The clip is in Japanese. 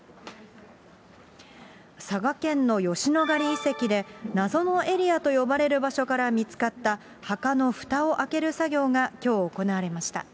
佐賀県の吉野ヶ里遺跡で謎のエリアと呼ばれる場所から見つかった、墓のふたを開ける作業が、きょう行われました。